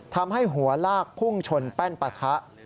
ทำให้หัวลากพุ่งชนแป้นปะทะ